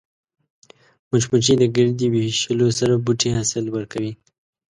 مچمچۍ د ګردې ویشلو سره بوټي حاصل ورکوي